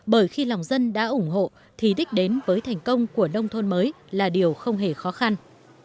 bởi khi lòng dân đã ủng hộ thì đích đến với thành công của nông thôn mới là điều không hề khó khăn